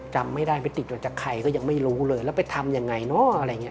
จำไม่ได้ไปติดต่อจากใครก็ยังไม่รู้เลยแล้วไปทำอย่างไร